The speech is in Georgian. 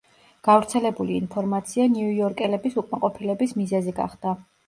გავრცელებული ინფორმაცია ნიუ-იორკელების უკმაყოფილების მიზეზი გახდა.